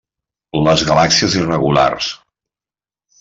Les galàxies irregulars.